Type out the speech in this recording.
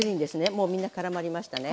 もうみんな絡まりましたね。